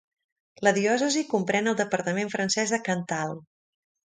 La diòcesi comprèn el departament francès de Cantal.